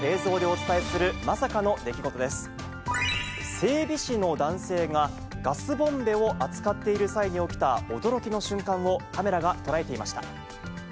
整備士の男性がガスボンベを扱っている際に起きた、驚きの瞬間をカメラが捉えていました。